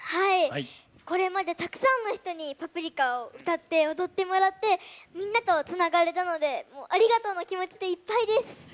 これまでたくさんの人に「パプリカ」を歌って踊ってもらってみんなとつながれたのでありがとうの気持ちでいっぱいです！